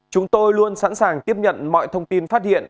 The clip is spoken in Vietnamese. chúng tôi luôn sẵn sàng tiếp nhận mọi thông tin phát hiện